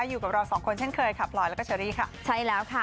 อยู่กับเราสองคนเช่นเคยค่ะพลอยแล้วก็เชอรี่ค่ะใช่แล้วค่ะ